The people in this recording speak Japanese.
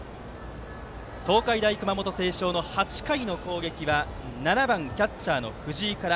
東海大熊本星翔の８回の攻撃は７番、キャッチャーの藤井から。